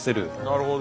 なるほど。